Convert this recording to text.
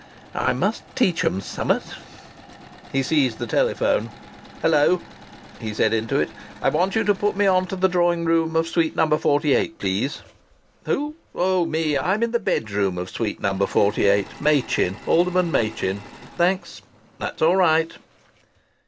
I must teach 'em summat!" He seized the telephone. "Hello!" he said into it. "I want you to put me on to the drawing room of Suite No. 48, please. Who? Oh, me! I'm in the bedroom of Suite No. 48. Machin, Alderman Machin. Thanks. That's all right."